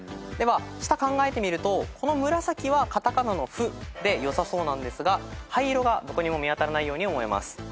では下考えてみるとこの紫はカタカナの「フ」でよさそうなんですが灰色がどこにも見当たらないように思います。